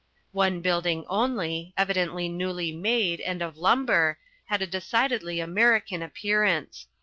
One building only, evidently newly made, and of lumber, had a decidedly American appearance.